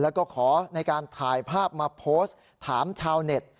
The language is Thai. แล้วก็ขอในการถ่ายภาพมาโพสต์ถามชาวเน็ต